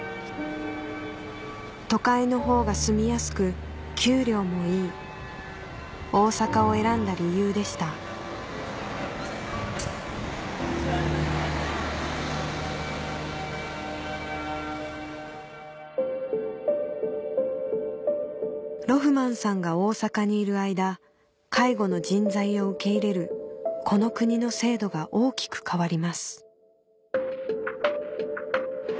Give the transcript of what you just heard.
都会のほうが住みやすく給料もいい大阪を選んだ理由でしたロフマンさんが大阪にいる間介護の人材を受け入れるこの国の制度が大きく変わります